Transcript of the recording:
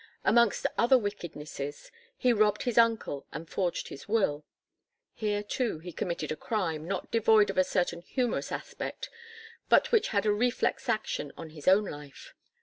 Amongst other wickednesses he robbed his uncle and forged his will. Here too, he committed a crime, not devoid of a certain humorous aspect, but which had a reflex action on his own life.